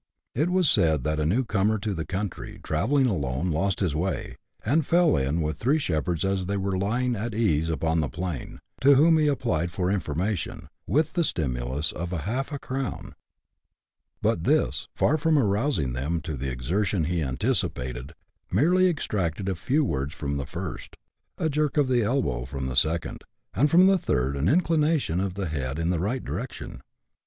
It was said that a new comer to the country, travelling alone, lost his way, and fell in with three shepherds as they were lying at ease upon the plain, to whom he applied for information, with the stimulus of half a crown ; but this, far from rousing them to the exertion he anticipated, merely extracted a few words from the first, a jerk of the elbow from the second, and from the third an inclination of the head in the right direction.